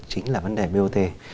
chính là vấn đề bot